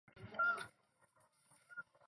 创校校长为陈加恩先生。